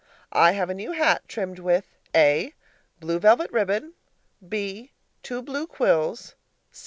I have a new hat trimmed with: A. Blue velvet ribbon. B. Two blue quills.